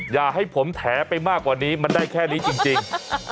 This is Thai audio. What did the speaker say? อย่าให้ผมแถไปมากกว่านี้มันได้แค่นี้จริง